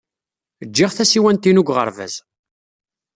Ǧǧiɣ tasiwant-inu deg uɣerbaz.